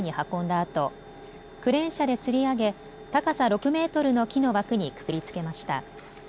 あとクレーン車でつり上げ高さ６メートルの木の枠にくくりつけました。